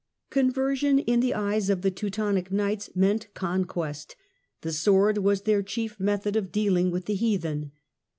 Conversion in the eyes of the Teutonic Knights meant conquest, the sword was their chief method of deahng with the heathen.